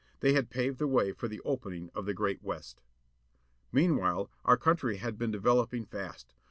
They had paved the way for the opening of the great West. Meanwhile our country had been developing fast.